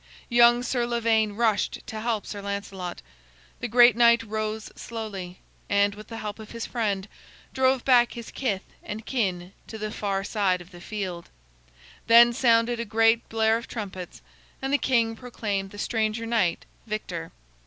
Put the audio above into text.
Young Sir Lavaine rushed to help Sir Lancelot. The great knight rose slowly and, with the help of his friend, drove back his kith and kin to the far side of the field. Then sounded a great blare of trumpets, and the king proclaimed the stranger knight victor.